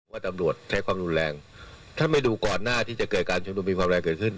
ว่าตำรวจใช้ความรุนแรงถ้าไม่ดูก่อนหน้าที่จะเกิดการชุมนุมมีความแรงเกิดขึ้น